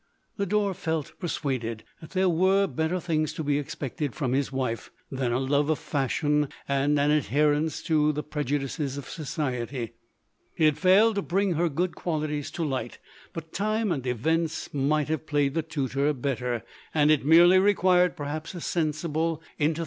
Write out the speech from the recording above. Lodore felt persuaded, that there were better things tp be expected from his wife, than a love of fashion and an adherence to the prejudices of society. He had failed to bring her good qualities to light, but time and events might have played the tutor better, and it merely required perhaps a seasonable inter LODORE.